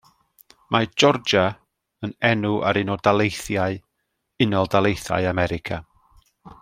Mae Georgia yn enw ar un o daleithiau Unol Daleithiau America.